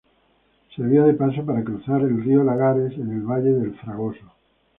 Servía de paso para cruzar el río Lagares en el Valle del Fragoso.